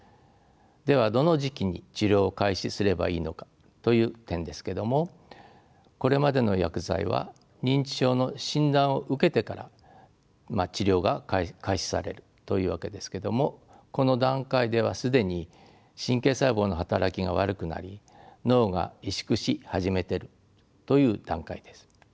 ではどの時期に治療を開始すればいいのかという点ですけどもこれまでの薬剤は認知症の診断を受けてから治療が開始されるというわけですけどもこの段階では既に神経細胞の働きが悪くなり脳が萎縮し始めているという段階です。